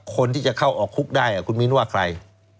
คนที่จะเข้าออกคุกได้คุณมิ้นว่าใคร